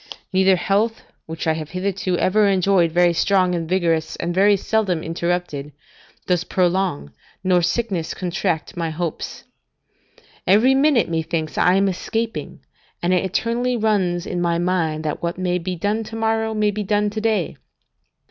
Neither health, which I have hitherto ever enjoyed very strong and vigorous, and very seldom interrupted, does prolong, nor sickness contract my hopes. Every minute, methinks, I am escaping, and it eternally runs in my mind, that what may be done to morrow, may be done to day.